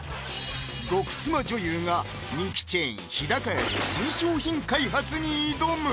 「極妻」女優が人気チェーン・日高屋で新商品開発に挑む！